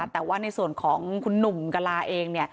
แต่ว่าในส่วนของคุณหนุ่มกะลาเอง